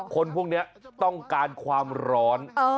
คนพวกนี้ต้องการความร้อน